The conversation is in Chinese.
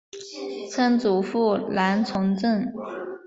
曾祖父兰从政。